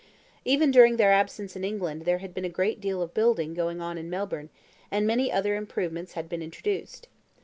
Even during their absence in England there had been a great deal of building going on in Melbourne, and many other improvements had been introduced.